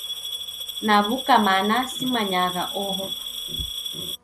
Naw'uka mana, simanyagha oho.